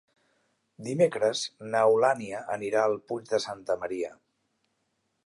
Dimecres n'Eulàlia anirà al Puig de Santa Maria.